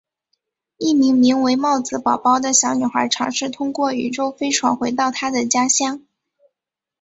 一位名为帽子宝宝的小女孩尝试通过宇宙飞船回到她的家乡。